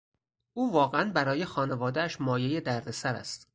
او واقعا برای خانوادهاش مایهی دردسر است.